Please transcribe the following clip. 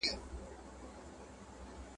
د مایکرو فلم ریډر جوړېدل ساینسي پرمختګ دی.